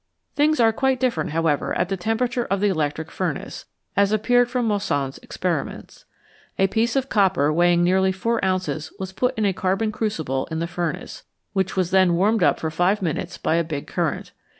Things are quite different, however, at the temperature of the electric furnace, as appeared from Moissan's experiments. A piece of copper weighing nearly four ounces was put in a carbon crucible in the furnace, which was then warmed up for five minutes by a big current.